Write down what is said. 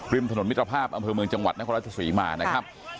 ถนนมิตรภาพอำเภอเมืองจังหวัดนครราชศรีมานะครับ